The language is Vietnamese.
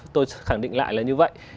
tôi khẳng định lại là như vậy